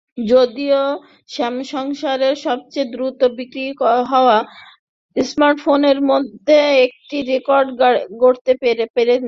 যদিও স্যামসাংয়ের সবচেয়ে দ্রুত বিক্রি হওয়া স্মার্টফোনের মধ্যে এটি রেকর্ড গড়তে পারেনি।